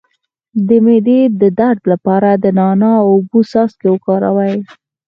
د معدې د درد لپاره د نعناع او اوبو څاڅکي وکاروئ